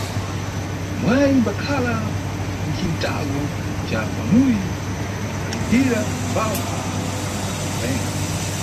Mbwaya imbakhala kuxintalo ca pamuyi imbalindirira mbava na bzigawenga.